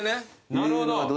なるほど。